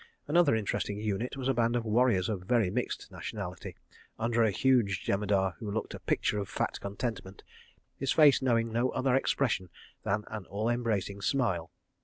Another interesting unit was a band of warriors of very mixed nationality, under a huge Jemadar who looked a picture of fat contentment, his face knowing no other expression than an all embracing smile.